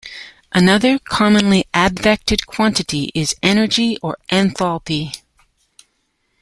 Another commonly advected quantity is energy or enthalpy.